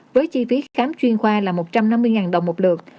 với chi phí khám chuyên khoa là một trăm năm mươi đồng một lượt